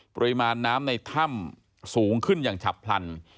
ปริมาณน้ำในถ้ำสูงขึ้นอย่างฉับพลัน